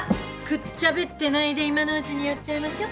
くっちゃべってないで今のうちにやっちゃいましょ。